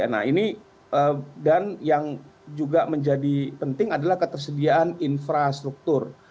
nah ini dan yang juga menjadi penting adalah ketersediaan infrastruktur